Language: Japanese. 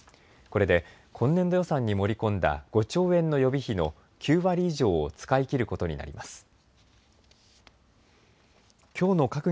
これで今年度予算に盛り込んだ５兆円の予備費の９割以上を使い切ることになります。